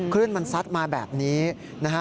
ขึ้นมันซัดมาแบบนี้นะฮะ